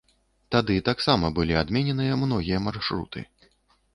Тады таксама былі адмененыя многія маршруты.